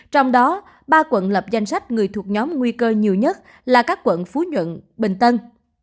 trong đó ba quận lập danh sách người thuộc nhóm nguy cơ nhiều nhất là các quận phú nhuận bình tân